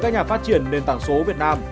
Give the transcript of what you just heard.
các nhà phát triển nền tảng số việt nam